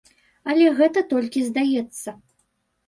Але гэта толькі здаецца.